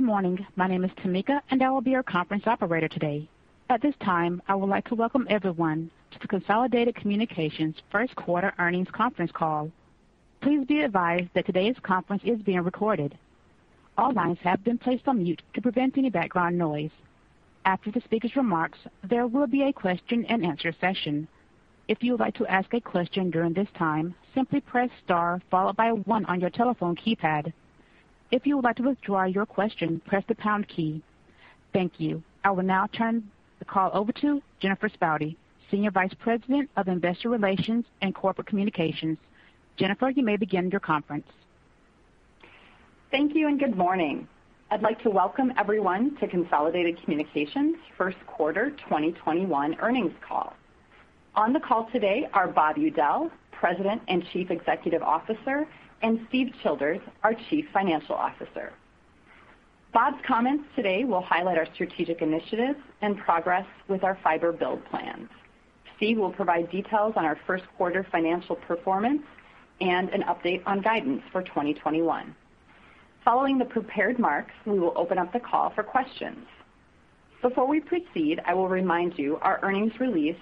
Good morning. My name is Tamika, and I will be your conference operator today. At this time, I would like to welcome everyone to the Consolidated Communications first quarter earnings conference call. Please be advised that today's conference is being recorded. All lines have been placed on mute to prevent any background noise. After the speaker's remarks, there will be a question-and-answer session. If you would like to ask a question during this time, simply press star followed by one on your telephone keypad. If you would like to withdraw your question, press the pound key. Thank you. I will now turn the call over to Jennifer Spaude, Senior Vice President of Investor Relations and Corporate Communications. Jennifer, you may begin your conference. Thank you. Good morning. I'd like to welcome everyone to Consolidated Communications' first quarter 2021 earnings call. On the call today are Bob Udell, President and Chief Executive Officer, and Steve Childers, our Chief Financial Officer. Bob's comments today will highlight our strategic initiatives and progress with our fiber build plans. Steve will provide details on our first quarter financial performance and an update on guidance for 2021. Following the prepared remarks, we will open up the call for questions. Before we proceed, I will remind you, our earnings release,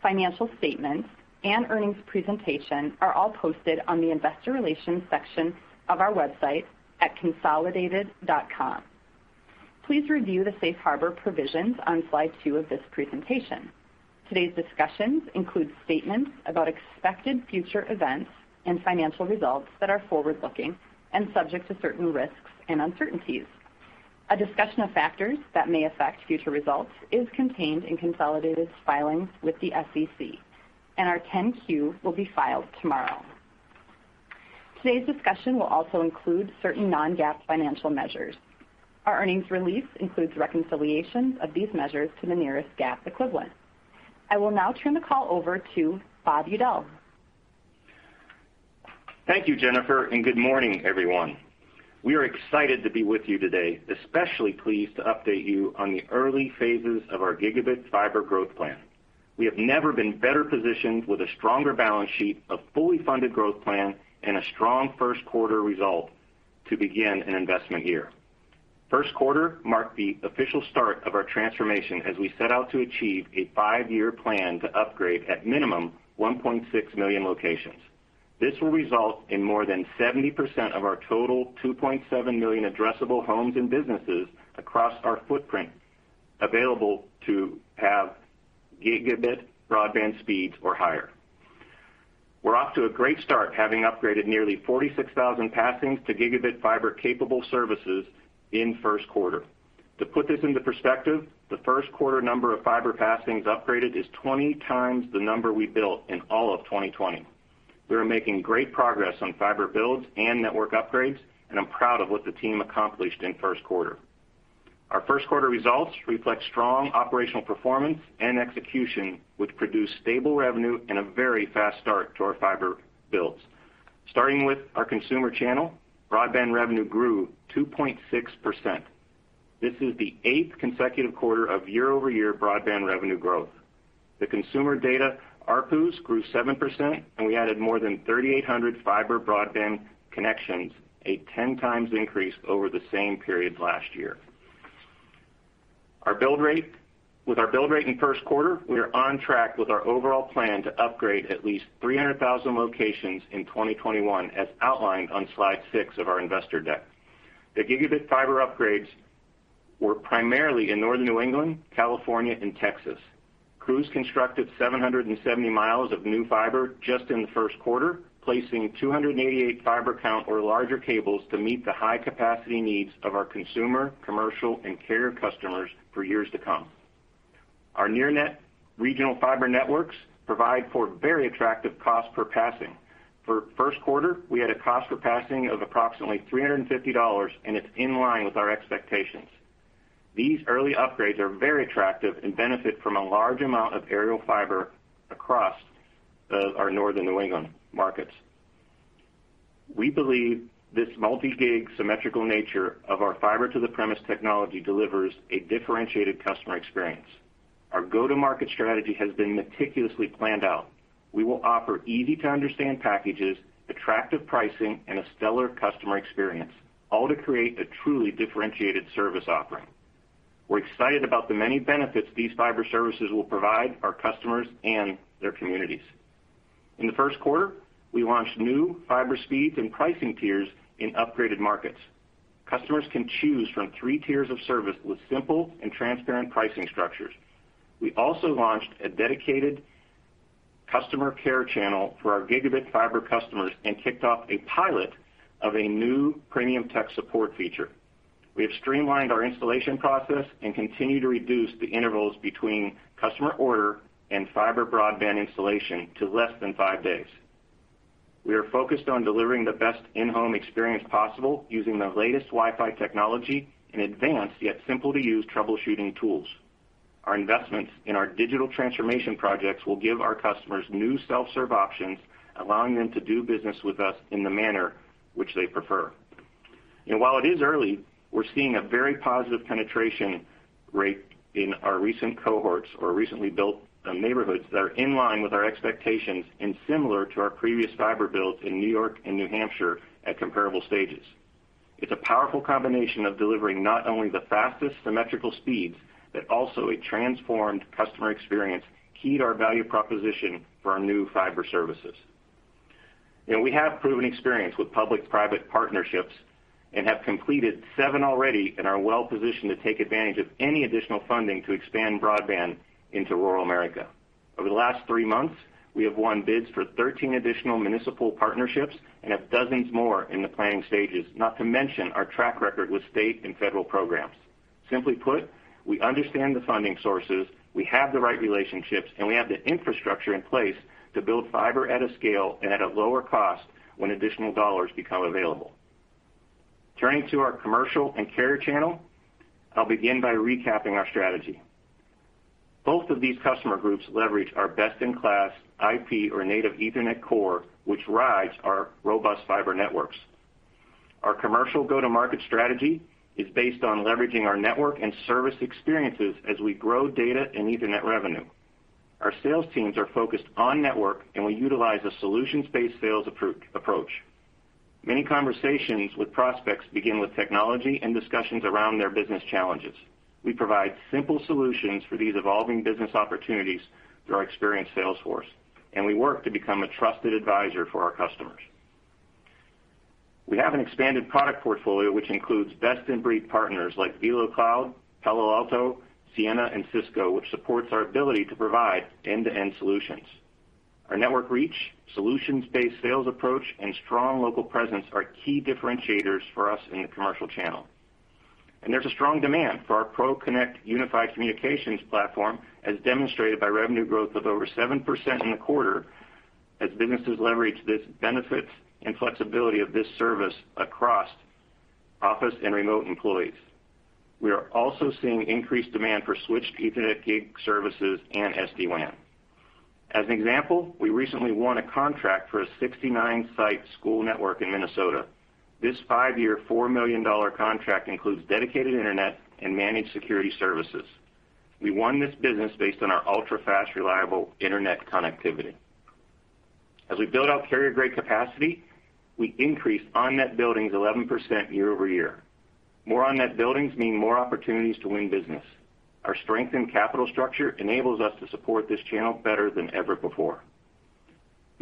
financial statements, and earnings presentation are all posted on the investor relations section of our website at consolidated.com. Please review the safe harbor provisions on slide two of this presentation. Today's discussions include statements about expected future events and financial results that are forward-looking and subject to certain risks and uncertainties. A discussion of factors that may affect future results is contained in Consolidated's filings with the SEC, and our 10-Q will be filed tomorrow. Today's discussion will also include certain non-GAAP financial measures. Our earnings release includes reconciliations of these measures to the nearest GAAP equivalent. I will now turn the call over to Bob Udell. Thank you, Jennifer, and good morning, everyone. We are excited to be with you today, especially pleased to update you on the early phases of our gigabit fiber growth plan. We have never been better positioned with a stronger balance sheet, a fully funded growth plan, and a strong first quarter result to begin an investment year. First quarter marked the official start of our transformation as we set out to achieve a five-year plan to upgrade at minimum 1.6 million locations. This will result in more than 70% of our total 2.7 million addressable homes and businesses across our footprint available to have gigabit broadband speeds or higher. We're off to a great start, having upgraded nearly 46,000 passings to gigabit fiber capable services in first quarter. To put this into perspective, the first quarter number of fiber passings upgraded is 20 times the number we built in all of 2020. We are making great progress on fiber builds and network upgrades, I'm proud of what the team accomplished in the first quarter. Our first quarter results reflect strong operational performance and execution, which produced stable revenue and a very fast start to our fiber builds. Starting with our consumer channel, broadband revenue grew 2.6%. This is the eighth consecutive quarter of year-over-year broadband revenue growth. The consumer data ARPUs grew 7%, We added more than 3,800 fiber broadband connections, a 10 times increase over the same period last year. With our build rate in the first quarter, we are on track with our overall plan to upgrade at least 300,000 locations in 2021, as outlined on slide six of our investor deck. The gigabit fiber upgrades were primarily in northern New England, California, and Texas. Crews constructed 770 miles of new fiber just in the first quarter, placing 288 fiber count or larger cables to meet the high capacity needs of our consumer, commercial, and carrier customers for years to come. Our near net regional fiber networks provide for very attractive cost per passing. For the first quarter, we had a cost per passing of approximately $350, and it's in line with our expectations. These early upgrades are very attractive and benefit from a large amount of aerial fiber across our northern New England markets. We believe this multi-gig symmetrical nature of our Fiber-to-the-premise technology delivers a differentiated customer experience. Our go-to-market strategy has been meticulously planned out. We will offer easy-to-understand packages, attractive pricing, and a stellar customer experience, all to create a truly differentiated service offering. We're excited about the many benefits these fiber services will provide our customers and their communities. In the first quarter, we launched new fiber speeds and pricing tiers in upgraded markets. Customers can choose from three tiers of service with simple and transparent pricing structures. We also launched a dedicated customer care channel for our gigabit fiber customers and kicked off a pilot of a new premium tech support feature. We have streamlined our installation process and continue to reduce the intervals between customer order and fiber broadband installation to less than five days. We are focused on delivering the best in-home experience possible using the latest Wi-Fi technology and advanced, yet simple to use, troubleshooting tools. Our investments in our digital transformation projects will give our customers new self-serve options, allowing them to do business with us in the manner which they prefer. While it is early, we're seeing a very positive penetration rate in our recent cohorts or recently built neighborhoods that are in line with our expectations and similar to our previous fiber builds in New York and New Hampshire at comparable stages. It's a powerful combination of delivering not only the fastest symmetrical speeds, but also a transformed customer experience keyed our value proposition for our new fiber services. We have proven experience with public-private partnerships and have completed seven already and are well-positioned to take advantage of any additional funding to expand broadband into rural America. Over the last three months, we have won bids for 13 additional municipal partnerships and have dozens more in the planning stages, not to mention our track record with state and federal programs. Simply put, we understand the funding sources, we have the right relationships, and we have the infrastructure in place to build fiber at a scale and at a lower cost when additional dollars become available. Turning to our commercial and carrier channel, I'll begin by recapping our strategy. Both of these customer groups leverage our best-in-class IP or native Ethernet core, which rides our robust fiber networks. Our commercial go-to-market strategy is based on leveraging our network and service experiences as we grow data and Ethernet revenue. Our sales teams are focused on network. We utilize a solutions-based sales approach. Many conversations with prospects begin with technology and discussions around their business challenges. We provide simple solutions for these evolving business opportunities through our experienced sales force. We work to become a trusted advisor for our customers. We have an expanded product portfolio, which includes best-in-breed partners like VeloCloud, Palo Alto, Ciena, and Cisco, which supports our ability to provide end-to-end solutions. Our network reach, solutions-based sales approach, and strong local presence are key differentiators for us in the commercial channel. There's a strong demand for our ProConnect unified communications platform, as demonstrated by revenue growth of over 7% in the quarter as businesses leverage this benefit and flexibility of this service across office and remote employees. We are also seeing increased demand for switched Ethernet gig services and SD-WAN. As an example, we recently won a contract for a 69-site school network in Minnesota. This five-year, $4 million contract includes dedicated internet and managed security services. We won this business based on our ultra-fast, reliable internet connectivity. As we build out carrier-grade capacity, we increase on-net buildings 11% year-over-year. More on-net buildings mean more opportunities to win business. Our strength in capital structure enables us to support this channel better than ever before.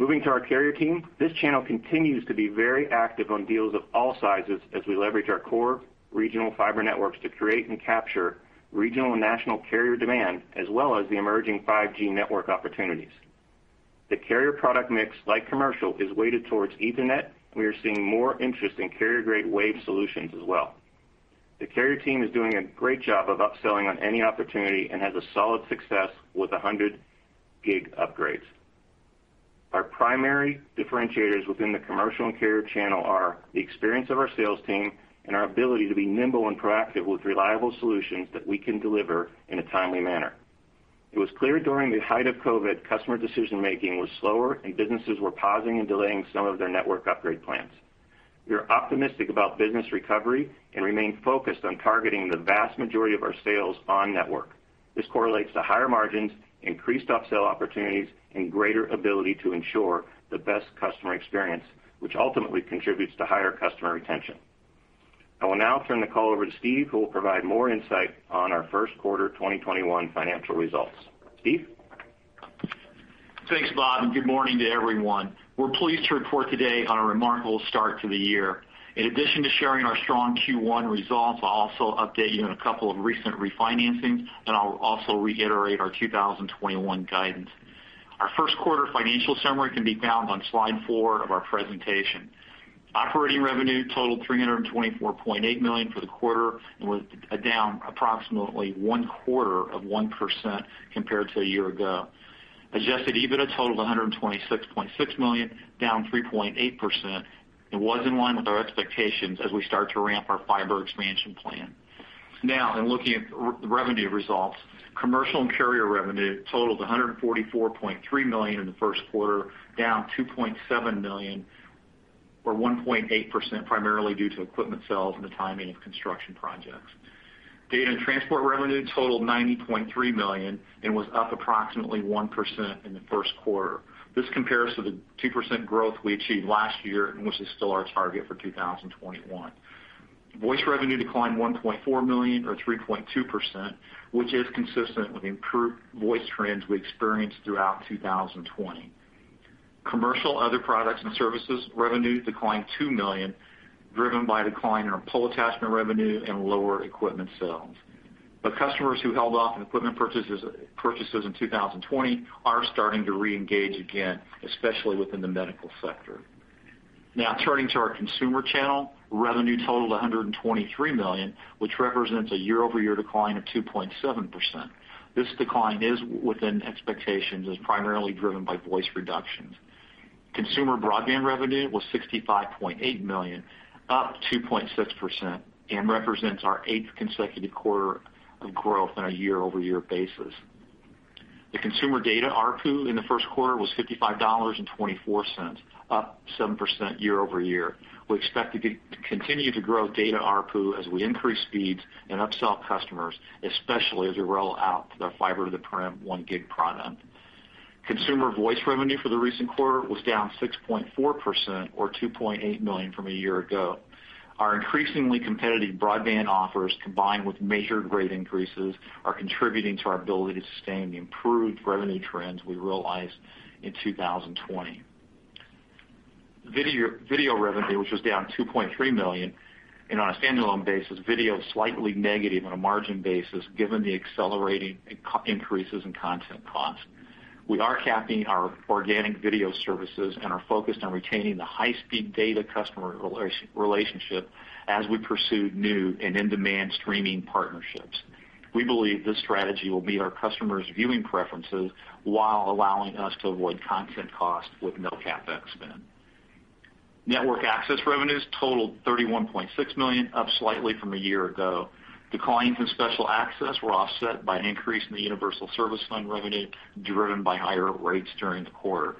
Moving to our carrier team, this channel continues to be very active on deals of all sizes as we leverage our core regional fiber networks to create and capture regional and national carrier demand, as well as the emerging 5G network opportunities. The carrier product mix, like commercial, is weighted towards Ethernet. We are seeing more interest in carrier-grade wave solutions as well. The carrier team is doing a great job of upselling on any opportunity and has a solid success with 100 gig upgrades. Our primary differentiators within the commercial and carrier channel are the experience of our sales team and our ability to be nimble and proactive with reliable solutions that we can deliver in a timely manner. It was clear during the height of COVID, customer decision-making was slower, and businesses were pausing and delaying some of their network upgrade plans. We are optimistic about business recovery and remain focused on targeting the vast majority of our sales on network. This correlates to higher margins, increased upsell opportunities, and greater ability to ensure the best customer experience, which ultimately contributes to higher customer retention. I will now turn the call over to Steve, who will provide more insight on our first quarter 2021 financial results. Steve? Thanks, Bob, and good morning to everyone. We're pleased to report today on a remarkable start to the year. In addition to sharing our strong Q1 results, I'll also update you on a couple of recent refinancings, and I'll also reiterate our 2021 guidance. Our first quarter financial summary can be found on slide four of our presentation. Operating revenue totaled $324.8 million for the quarter and was down approximately one-quarter of 1% compared to a year ago. Adjusted EBITDA totaled $126.6 million, down 3.8%, and was in line with our expectations as we start to ramp our fiber expansion plan. Now, in looking at the revenue results, commercial and carrier revenue totaled $144.3 million in the first quarter, down $2.7 million or 1.8%, primarily due to equipment sales and the timing of construction projects. Data and transport revenue totaled $90.3 million and was up approximately 1% in the first quarter. This compares to the 2% growth we achieved last year and which is still our target for 2021. Voice revenue declined $1.4 million or 3.2%, which is consistent with improved voice trends we experienced throughout 2020. Commercial other products and services revenue declined $2 million, driven by decline in our pole attachment revenue and lower equipment sales. Customers who held off on equipment purchases in 2020 are starting to reengage again, especially within the medical sector. Turning to our consumer channel, revenue totaled $123 million, which represents a year-over-year decline of 2.7%. This decline is within expectations as primarily driven by voice reductions. Consumer broadband revenue was $65.8 million, up 2.6%, and represents our eighth consecutive quarter of growth on a year-over-year basis. The consumer data ARPU in the first quarter was $55.24, up 7% year-over-year. We expect to continue to grow data ARPU as we increase speeds and upsell customers, especially as we roll out the fiber to the prem 1 gig product. Consumer voice revenue for the recent quarter was down 6.4%, or $2.8 million from a year ago. Our increasingly competitive broadband offers, combined with major rate increases, are contributing to our ability to sustain the improved revenue trends we realized in 2020. Video revenue, which was down $2.3 million, and on a standalone basis, video is slightly negative on a margin basis given the accelerating increases in content cost. We are capping our organic video services and are focused on retaining the high-speed data customer relationship as we pursue new and in-demand streaming partnerships. We believe this strategy will meet our customers' viewing preferences while allowing us to avoid content cost with no CapEx spend. Network access revenues totaled $31.6 million, up slightly from a year ago. Declines in special access were offset by an increase in the Universal Service Fund revenue, driven by higher rates during the quarter.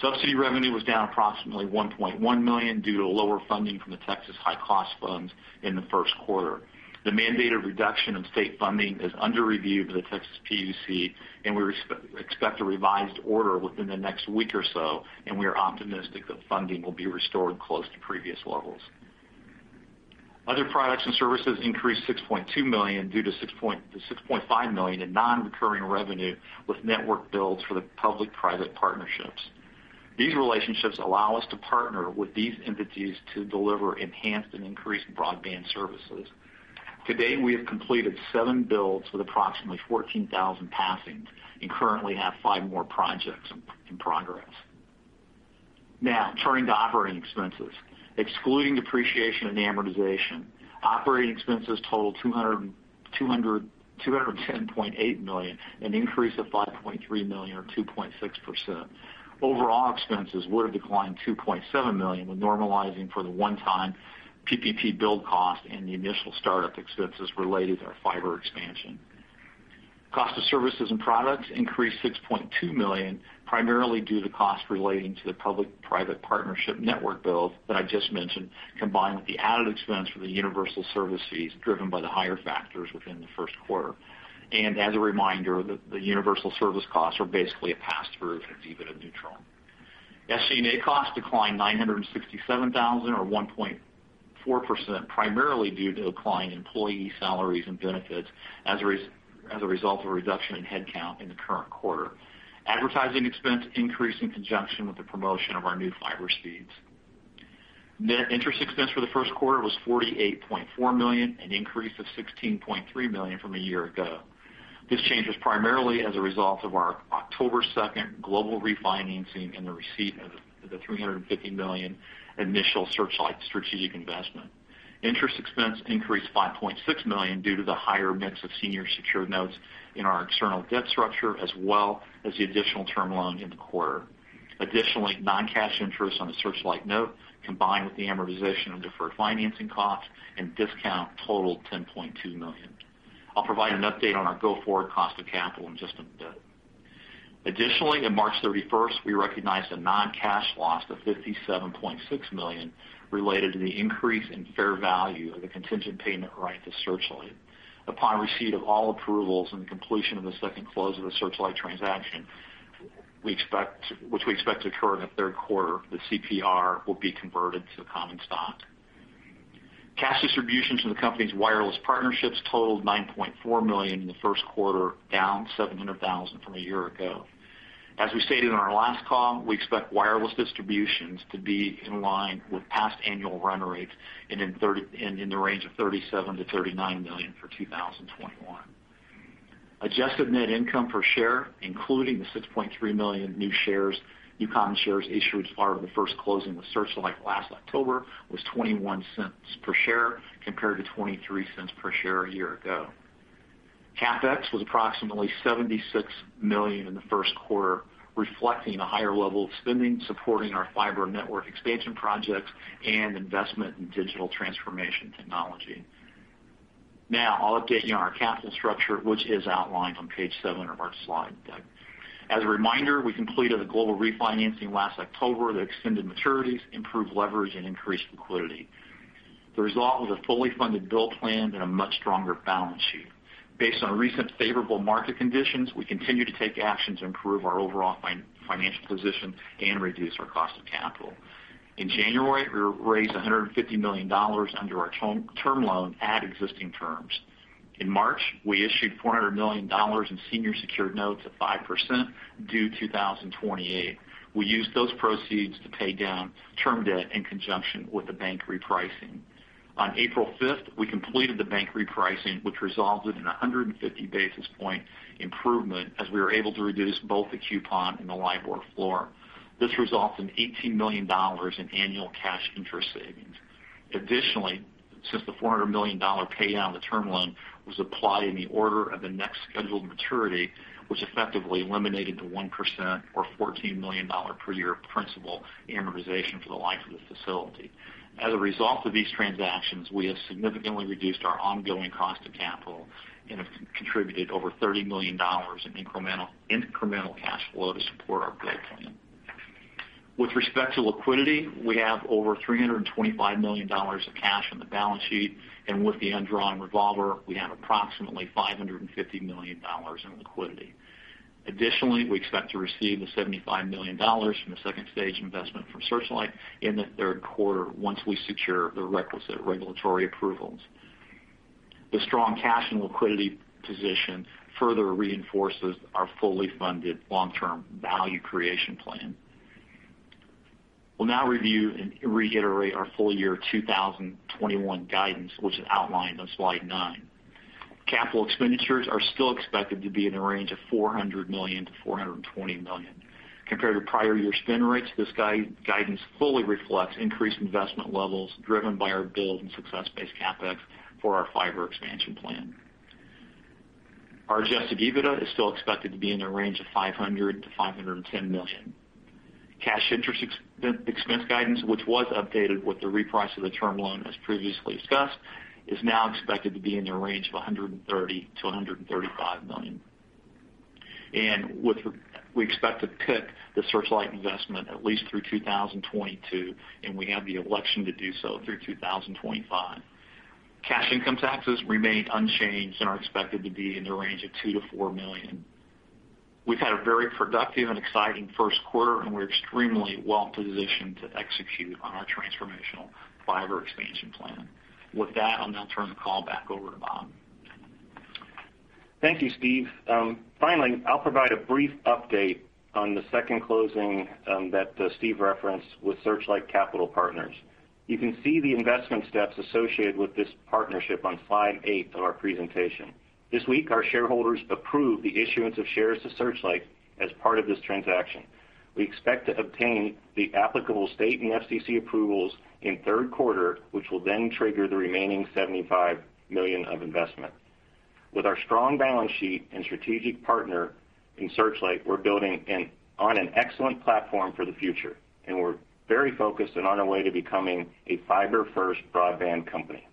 Subsidy revenue was down approximately $1.1 million due to lower funding from the Texas High Cost Fund in the first quarter. The mandated reduction of state funding is under review by the Texas PUC, and we expect a revised order within the next one week or so, and we are optimistic that funding will be restored close to previous levels. Other products and services increased $6.2 million due to $6.5 million in non-recurring revenue with network builds for the public-private partnerships. These relationships allow us to partner with these entities to deliver enhanced and increased broadband services. To date, we have completed seven builds with approximately 14,000 passings and currently have five more projects in progress. Now, turning to operating expenses. Excluding depreciation and amortization, operating expenses totaled $210.8 million, an increase of $5.3 million or 2.6%. Overall expenses would have declined $2.7 million when normalizing for the one-time PPP build cost and the initial startup expenses related to our fiber expansion. Cost of services and products increased $6.2 million, primarily due to costs relating to the public-private partnership network build that I just mentioned, combined with the added expense for the universal service fees driven by the higher factors within the first quarter. As a reminder, the Universal Service costs are basically a pass-through and are EBITDA neutral. SG&A costs declined 967,000 or 1.4%, primarily due to declining employee salaries and benefits as a result of a reduction in headcount in the current quarter. Advertising expense increased in conjunction with the promotion of our new fiber speeds. Net interest expense for the first quarter was $48.4 million, an increase of $16.3 million from a year ago. This change was primarily as a result of our October 2nd global refinancing and the receipt of the $350 million initial Searchlight strategic investment. Interest expense increased $5.6 million due to the higher mix of senior secured notes in our external debt structure, as well as the additional term loan in the quarter. Additionally, non-cash interest on the Searchlight note, combined with the amortization of deferred financing costs and discount, totaled $10.2 million. I'll provide an update on our go-forward cost of capital in just a bit. Additionally, on March 31st, we recognized a non-cash loss of $57.6 million related to the increase in fair value of the Contingent Payment Right to Searchlight. Upon receipt of all approvals and completion of the second close of the Searchlight transaction, which we expect to occur in the third quarter, the CPR will be converted to common stock. Cash distributions from the company's wireless partnerships totaled $9.4 million in the first quarter, down $700,000 from a year ago. As we stated on our last call, we expect wireless distributions to be in line with past annual run rates and in the range of $37 million-$39 million for 2021. Adjusted net income per share, including the 6.3 million new common shares issued as part of the first closing with Searchlight last October, was $0.21 per share compared to $0.23 per share a year ago. CapEx was approximately $76 million in the first quarter, reflecting a higher level of spending supporting our fiber network expansion projects and investment in digital transformation technology. I'll update you on our capital structure, which is outlined on page seven of our slide deck. As a reminder, we completed a global refinancing last October that extended maturities, improved leverage and increased liquidity. The result was a fully funded build plan and a much stronger balance sheet. Based on recent favorable market conditions, we continue to take actions to improve our overall financial position and reduce our cost of capital. In January, we raised $150 million under our term loan at existing terms. In March, we issued $400 million in senior secured notes at 5% due 2028. We used those proceeds to pay down term debt in conjunction with the bank repricing. On April 5th, we completed the bank repricing, which resulted in 150 basis point improvement as we were able to reduce both the coupon and the LIBOR floor. This results in $18 million in annual cash interest savings. Additionally, since the $400 million pay down of the term loan was applied in the order of the next scheduled maturity, which effectively eliminated the 1% or $14 million per year principal amortization for the life of the facility. As a result of these transactions, we have significantly reduced our ongoing cost of capital and have contributed over $30 million in incremental cash flow to support our growth plan. With respect to liquidity, we have over $325 million of cash on the balance sheet, and with the undrawn revolver, we have approximately $550 million in liquidity. We expect to receive the $75 million from the second-stage investment from Searchlight in the third quarter, once we secure the requisite regulatory approvals. The strong cash and liquidity position further reinforces our fully funded long-term value creation plan. We'll now review and reiterate our full year 2021 guidance, which is outlined on slide nine. Capital expenditures are still expected to be in the range of $400 million-$420 million. Compared to prior-year spend rates, this guidance fully reflects increased investment levels driven by our build and success-based CapEx for our fiber expansion plan. Our adjusted EBITDA is still expected to be in the range of $500 million-$510 million. Cash interest expense guidance, which was updated with the reprice of the term loan as previously discussed, is now expected to be in the range of $130 million-$135 million. We expect to PIK the Searchlight investment at least through 2022, and we have the election to do so through 2025. Cash income taxes remain unchanged and are expected to be in the range of $2 million-$4 million. We've had a very productive and exciting first quarter, and we're extremely well-positioned to execute on our transformational fiber expansion plan. With that, I'll now turn the call back over to Bob. Thank you, Steve. I'll provide a brief update on the second closing that Steve referenced with Searchlight Capital Partners. You can see the investment steps associated with this partnership on slide eight of our presentation. This week, our shareholders approved the issuance of shares to Searchlight as part of this transaction. We expect to obtain the applicable state and FCC approvals in third quarter, which will trigger the remaining $75 million of investment. With our strong balance sheet and strategic partner in Searchlight, we're building on an excellent platform for the future, we're very focused and on our way to becoming a fiber first broadband company.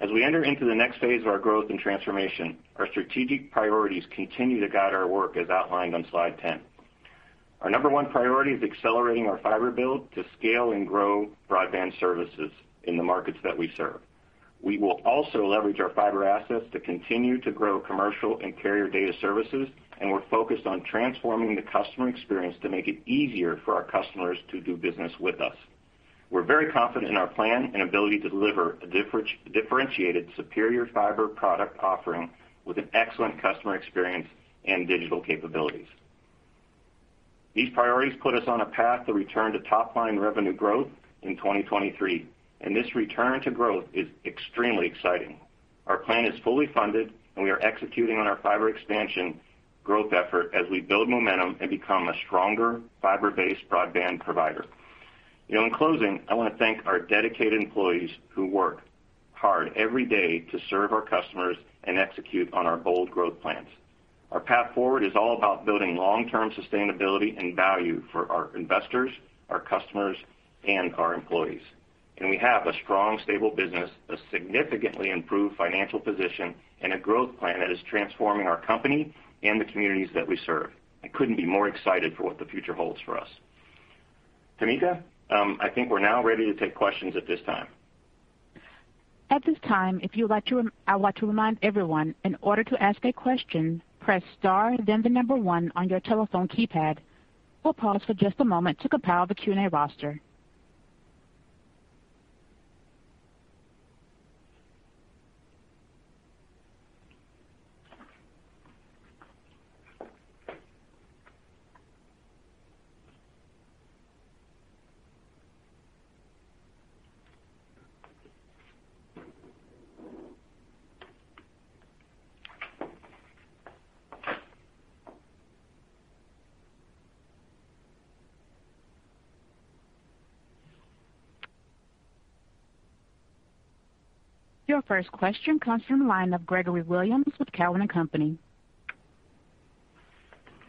We enter into the next phase of our growth and transformation, our strategic priorities continue to guide our work as outlined on slide 10. Our number one priority is accelerating our fiber build to scale and grow broadband services in the markets that we serve. We will also leverage our fiber assets to continue to grow commercial and carrier data services. We're focused on transforming the customer experience to make it easier for our customers to do business with us. We're very confident in our plan and ability to deliver a differentiated superior fiber product offering with an excellent customer experience and digital capabilities. These priorities put us on a path to return to top-line revenue growth in 2023. This return to growth is extremely exciting. Our plan is fully funded. We are executing on our fiber expansion growth effort as we build momentum and become a stronger fiber-based broadband provider. In closing, I want to thank our dedicated employees who work hard every day to serve our customers and execute on our bold growth plans. Our path forward is all about building long-term sustainability and value for our investors, our customers, and our employees. We have a strong, stable business, a significantly improved financial position, and a growth plan that is transforming our company and the communities that we serve. I couldn't be more excited for what the future holds for us. Tamika, I think we're now ready to take questions at this time. Your first question comes from the line of Gregory Williams with Cowen and Company.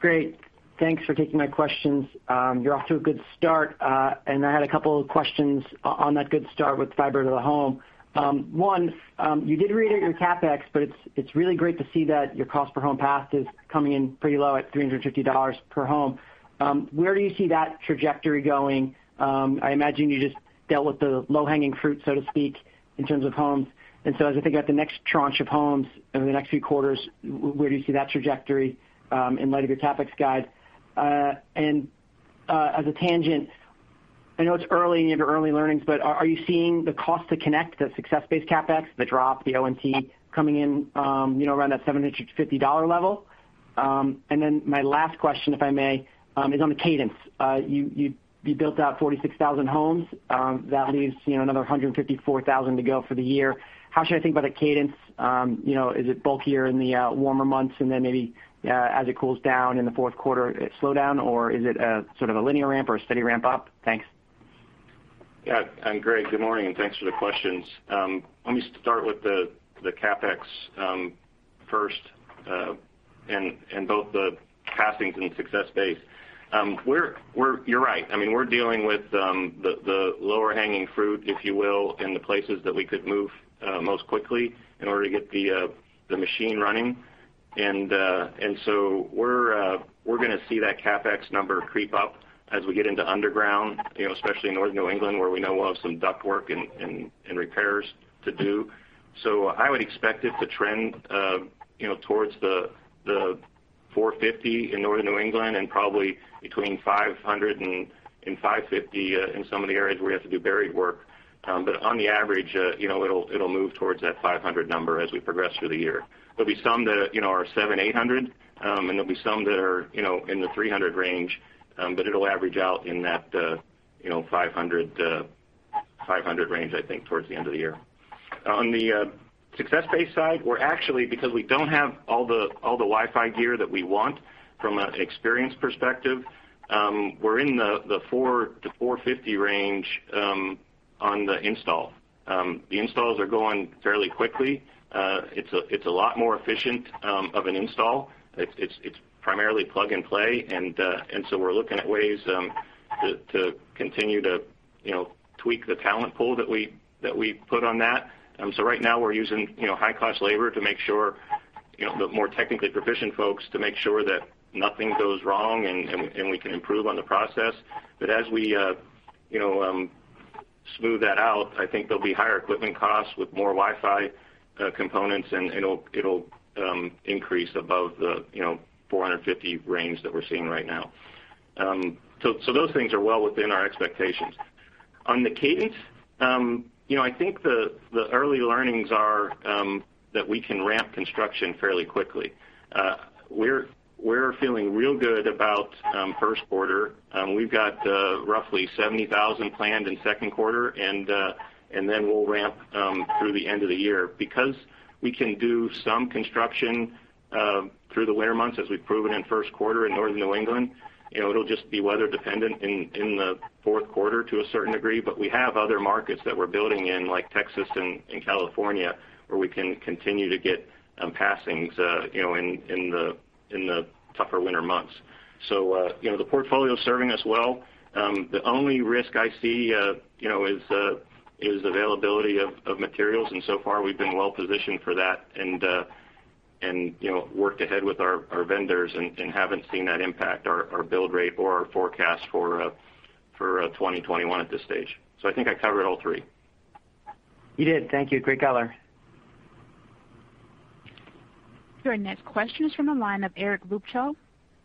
Great. Thanks for taking my questions. You're off to a good start. I had a couple of questions on that good start with fiber to the home. One, you did reiterate your CapEx, but it's really great to see that your cost per home passed is coming in pretty low at $350 per home. Where do you see that trajectory going? I imagine you just dealt with the low-hanging fruit, so to speak, in terms of homes. As I think about the next tranche of homes over the next few quarters, where do you see that trajectory in light of your CapEx guide? As a tangent, I know it's early and you have your early learnings, but are you seeing the cost to connect the success-based CapEx, the drop, the ONT coming in around that $750 level? My last question, if I may, is on the cadence. You built out 46,000 homes. That leaves another 254,000 to go for the year. How should I think about a cadence? Is it bulkier in the warmer months then maybe as it cools down in the fourth quarter, it slow down? Or is it a linear ramp or a steady ramp up? Thanks. Yeah, Greg, good morning, and thanks for the questions. Let me start with the CapEx first and both the passings and success base. You're right. We're dealing with the lower hanging fruit, if you will, and the places that we could move most quickly in order to get the machine running. We're going to see that CapEx number creep up as we get into underground, especially in Northern New England where we know we'll have some duct work and repairs to do. I would expect it to trend towards the $450 in Northern New England and probably between $500 and $550 in some of the areas where we have to do buried work. On the average, it'll move towards that $500 number as we progress through the year. There'll be some that are $700, $800. There'll be some that are in the $300 range. It'll average out in that $500 range, I think, towards the end of the year. On the success-based side, we're actually, because we don't have all the Wi-Fi gear that we want from an experience perspective, we're in the $400 to $450 range on the install. The installs are going fairly quickly. It's a lot more efficient of an install. It's primarily plug and play. We're looking at ways to continue to tweak the talent pool that we put on that. Right now we're using high cost labor, the more technically proficient folks, to make sure that nothing goes wrong and we can improve on the process. As we smooth that out, I think there'll be higher equipment costs with more Wi-Fi components, and it'll increase above the $450 range that we're seeing right now. Those things are well within our expectations. On the cadence, I think the early learnings are that we can ramp construction fairly quickly. We're feeling real good about 1st quarter. We've got roughly 70,000 planned in 2nd quarter, and then we'll ramp through the end of the year. Because we can do some construction through the winter months as we've proven in 1st quarter in northern New England, it'll just be weather dependent in the 4th quarter to a certain degree. We have other markets that we're building in, like Texas and California, where we can continue to get passings in the tougher winter months. The portfolio's serving us well. The only risk I see is availability of materials. So far we've been well-positioned for that and worked ahead with our vendors and haven't seen that impact our build rate or our forecast for 2021 at this stage. I think I covered all three. You did. Thank you. Great cover. Your next question is from the line of Eric Luebchow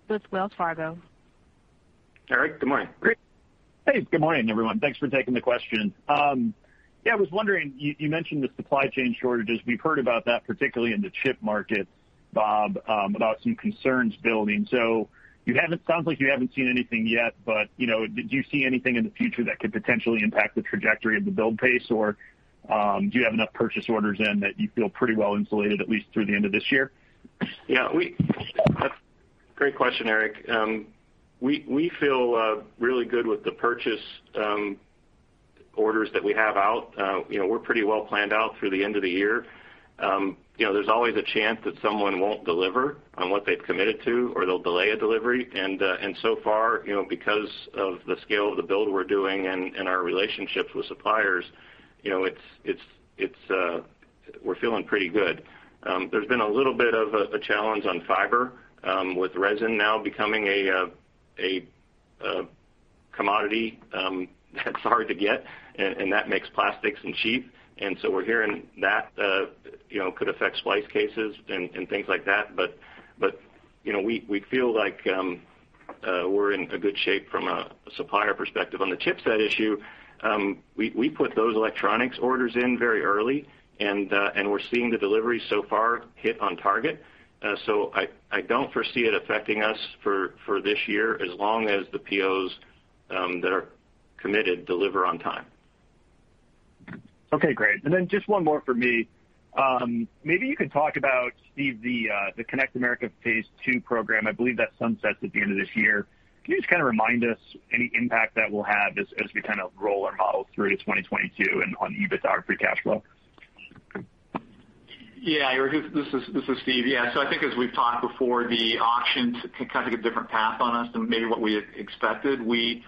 with Wells Fargo. Eric, good morning. Great. Hey, good morning, everyone. Thanks for taking the question. Yeah, I was wondering, you mentioned the supply chain shortages. We've heard about that, particularly in the chip market, Bob, about some concerns building. It sounds like you haven't seen anything yet, but do you see anything in the future that could potentially impact the trajectory of the build pace? Or do you have enough purchase orders in that you feel pretty well insulated, at least through the end of this year? Yeah. Great question, Eric. We feel really good with the purchase orders that we have out. We're pretty well planned out through the end of the year. There's always a chance that someone won't deliver on what they've committed to, or they'll delay a delivery. So far because of the scale of the build we're doing and our relationships with suppliers, we're feeling pretty good. There's been a little bit of a challenge on fiber, with resin now becoming a commodity that's hard to get, and that makes plastics cheap. So we're hearing that could affect splice cases and things like that. We feel like we're in a good shape from a supplier perspective. On the chipset issue, we put those electronics orders in very early, and we're seeing the delivery so far hit on target. I don't foresee it affecting us for this year, as long as the POs that are committed deliver on time. Okay, great. Just one more for me. Maybe you could talk about, Steve, the Connect America Phase II program. I believe that sunsets at the end of this year. Can you just kind of remind us any impact that will have as we kind of roll our model through to 2022 and on EBITDA free cash flow? Eric, this is Steve. I think as we've talked before, the auctions kind of took a different path on us than maybe what we had expected. Let me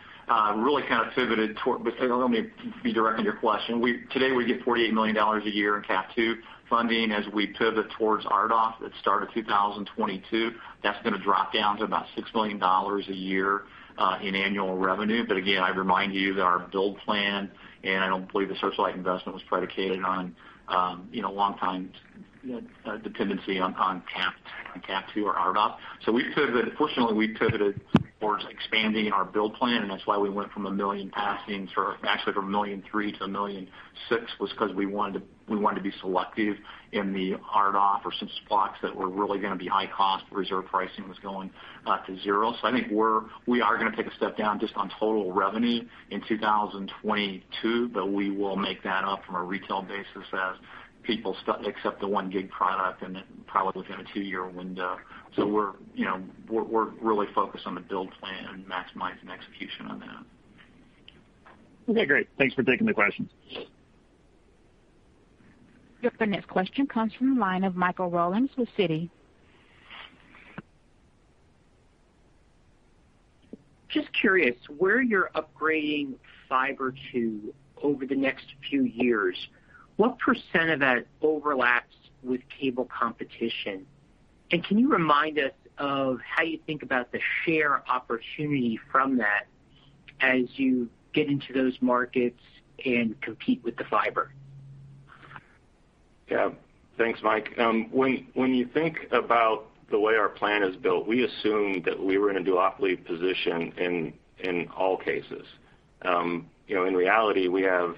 be direct on your question. Today, we get $48 million a year in CAF II funding. As we pivot towards RDOF at the start of 2022, that's going to drop down to about $6 million a year in annual revenue. I remind you that our build plan, and I don't believe the Searchlight investment was predicated on long time dependency on CAF II or RDOF. Fortunately, we pivoted towards expanding our build plan, and that's why we went from 1 million passings, actually from 1.3 million to 1.6 million, was because we wanted to be selective in the RDOF or some spots that were really going to be high cost. Reserve pricing was going to zero. I think we are going to take a step down just on total revenue in 2022. We will make that up from a retail basis as people accept the 1 gig product and then probably within a two-year window. We're really focused on the build plan and maximizing execution on that. Okay, great. Thanks for taking the questions. Your next question comes from the line of Michael Rollins with Citi. Just curious, where you're upgrading fiber to over the next few years, what % of that overlaps with cable competition? Can you remind us of how you think about the share opportunity from that as you get into those markets and compete with the fiber? Yeah. Thanks, Mike. When you think about the way our plan is built, we assume that we were in a duopoly position in all cases. In reality, we have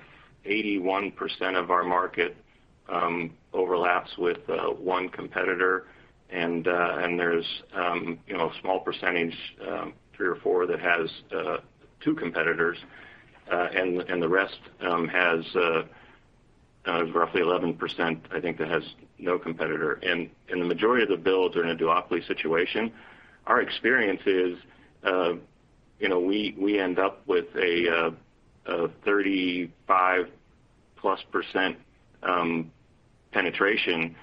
81% of our market overlaps with one competitor, and there's a small percentage, three or four, that has two competitors, and the rest has roughly 11%, I think, that has no competitor. The majority of the builds are in a duopoly situation. Our experience is we end up with a 35%-plus penetration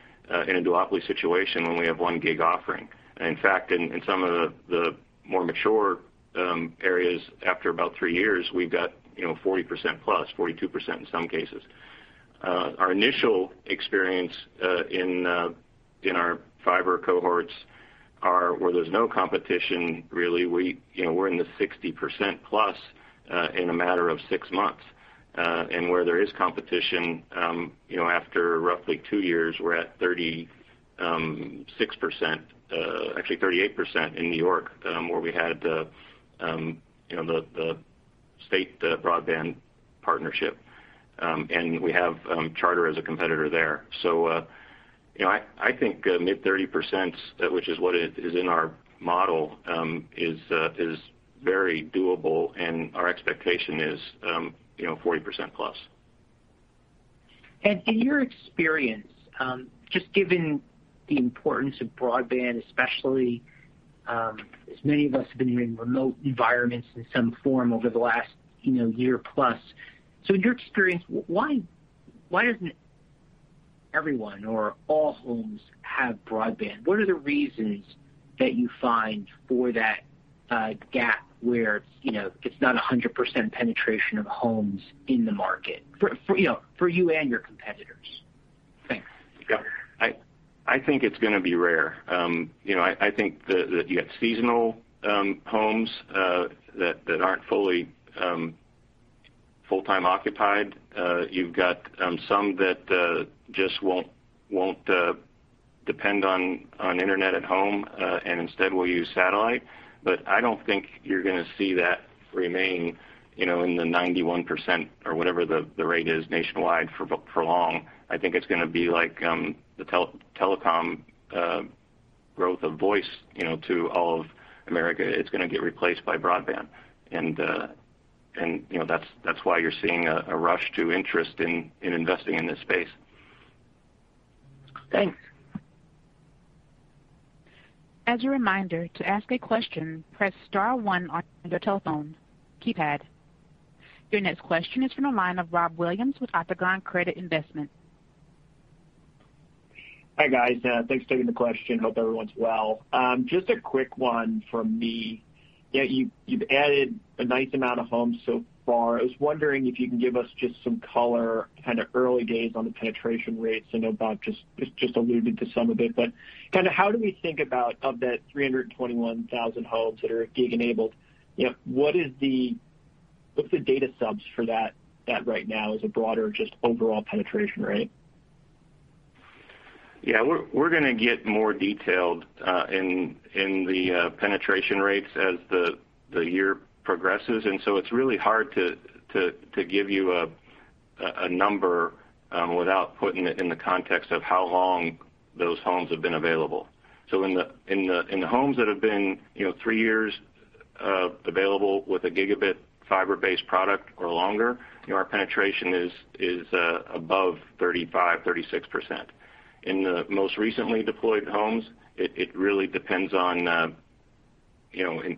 in a duopoly situation when we have one gig offering. In fact, in some of the more mature areas, after about three years, we've got 40%-plus, 42% in some cases. Our initial experience in our fiber cohorts are where there's no competition, really, we're in the 60%-plus in a matter of six months. Where there is competition, after roughly two years, we're at 36%, actually 38% in New York, where we had the state broadband partnership. We have Charter as a competitor there. I think mid 30%s, which is what is in our model, is very doable, and our expectation is 40%-plus. In your experience, just given the importance of broadband, especially as many of us have been in remote environments in some form over the last year-plus. In your experience, why doesn't everyone or all homes have broadband? What are the reasons that you find for that gap where it's not 100% penetration of homes in the market for you and your competitors? Thanks. Yeah. I think it's going to be rare. I think that you got seasonal homes that aren't fully full-time occupied. You've got some that just won't depend on internet at home and instead will use satellite. I don't think you're going to see that remain in the 91% or whatever the rate is nationwide for long. I think it's going to be like the telecom growth of voice to all of America. It's going to get replaced by broadband. That's why you're seeing a rush to interest in investing in this space. Thanks. As a reminder, to ask a question, press star one on your telephone keypad. Your next question is from the line of Robbie Williams with Octagon Credit Investors. Hi, guys. Thanks for taking the question. Hope everyone's well. Just a quick one from me. You've added a nice amount of homes so far. I was wondering if you can give us just some color, kind of early days on the penetration rates. I know Bob just alluded to some of it. How do we think about of that 321,000 homes that are gig-enabled, what's the data subs for that right now as a broader, just overall penetration rate? Yeah, we're going to get more detailed in the penetration rates as the year progresses. It's really hard to give you a number without putting it in the context of how long those homes have been available. In the homes that have been three years available with a gigabit fiber-based product or longer, our penetration is above 35%, 36%. In the most recently deployed homes, it really depends on.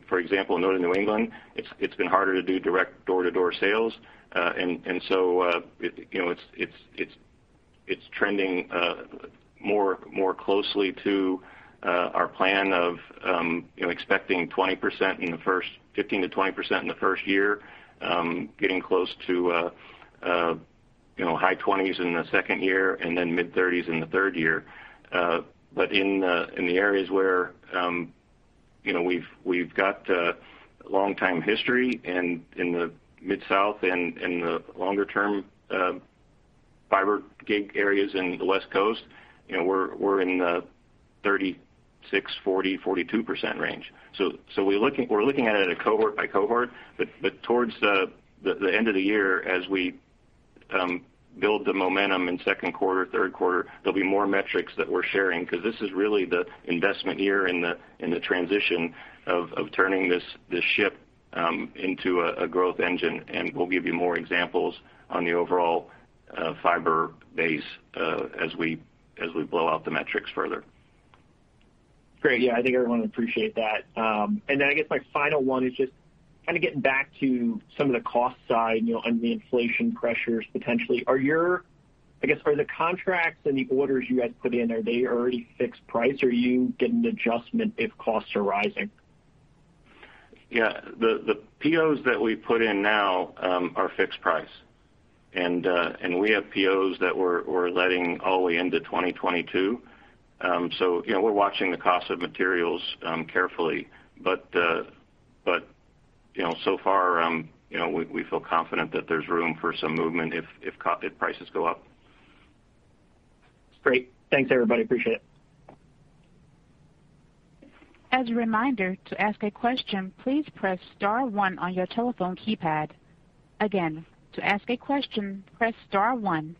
For example, in northern New England, it's been harder to do direct door-to-door sales. It's trending more closely to our plan of expecting 15%-20% in the first year, getting close to high 20s in the second year, and then mid-30s in the third year. In the areas where we've got long time history and in the Mid-South and the longer-term fiber gig areas in the West Coast, we're in the 36%, 40%, 42% range. We're looking at it cohort by cohort. Towards the end of the year, as we build the momentum in second quarter, third quarter, there'll be more metrics that we're sharing because this is really the investment year in the transition of turning this ship into a growth engine. We'll give you more examples on the overall fiber base as we blow out the metrics further. Great. Yeah, I think everyone will appreciate that. I guess my final one is just kind of getting back to some of the cost side, on the inflation pressures potentially. I guess for the contracts and the orders you guys put in, are they already fixed price? Are you getting an adjustment if costs are rising? Yeah. The POs that we put in now are fixed price. We have POs that we're letting all the way into 2022. We're watching the cost of materials carefully. So far, we feel confident that there's room for some movement if prices go up. Great. Thanks, everybody. Appreciate it. As a reminder, to ask a question, please press star one on your telephone keypad. Again, to ask a question, press star one.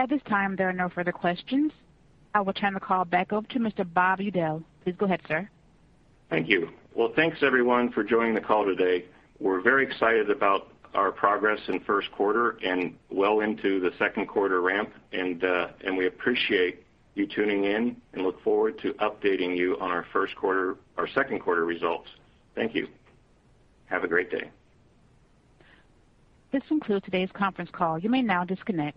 At this time, there are no further questions. I will turn the call back over to Mr. Bob Udell. Please go ahead, sir. Thank you. Well, thanks everyone for joining the call today. We're very excited about our progress in first quarter and well into the second quarter ramp, and we appreciate you tuning in and look forward to updating you on our second quarter results. Thank you. Have a great day. This concludes today's conference call. You may now disconnect.